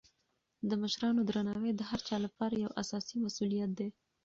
د مشرانو درناوی د هر چا لپاره یو اساسي مسولیت دی.